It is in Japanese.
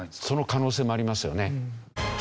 その可能性もありますよね。